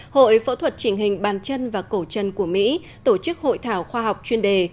hội phẫu thuật trình hình bàn chân và cổ chân của mỹ tổ chức hội thảo khoa học chuyên đề